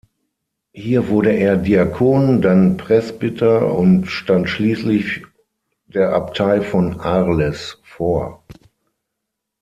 Hier wurde er Diakon, dann Presbyter und stand schließlich der Abtei von Arles vor.